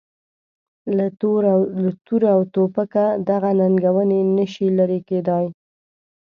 له توره او توپکه دغه ننګونې نه شي لرې کېدای.